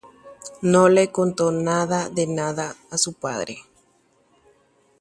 Mba'evete vera nomombe'úi itúvape.